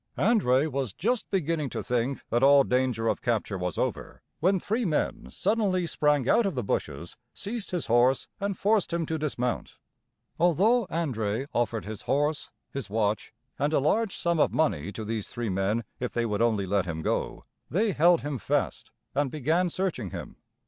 André was just beginning to think that all danger of capture was over, when three men suddenly sprang out of the bushes, seized his horse, and forced him to dismount. Although André offered his horse, his watch, and a large sum of money to these three men if they would only let him go, they held him fast and began searching him.